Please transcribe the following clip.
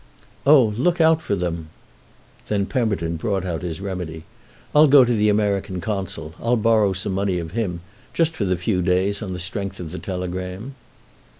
"Oh look out for them!" Then Pemberton brought out his remedy. "I'll go to the American Consul; I'll borrow some money of him—just for the few days, on the strength of the telegram."